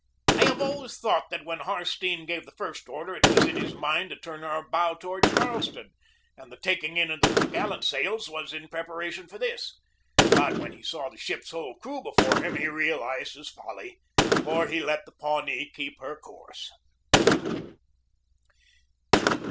I have always thought that when Harstene gave the first order it was in his mind to turn our bow toward Charleston, and the taking in of the top gallant sails was in prepara tion for this. But when he saw the ship's whole crew before him, he realized his folly, for he let the Pawnee keep her course.